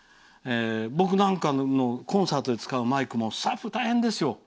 僕がコンサートで使うマイクもスタッフ、大変ですよ。